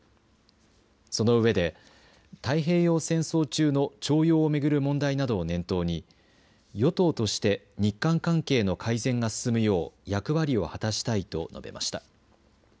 その上で、太平洋戦争中の徴用を巡る問題なども念頭に与党として日韓関係の改善が進むよう役割を果たしたいと述べました。